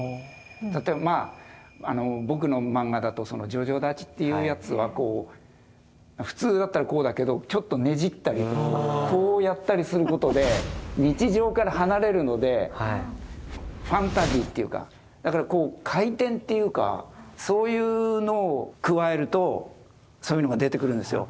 例えば僕のマンガだとジョジョ立ちっていうやつは普通だったらこうだけどちょっとねじったりこうやったりすることで日常から離れるのでファンタジーっていうかだからこう回転っていうかそういうのを加えるとそういうのが出てくるんですよ。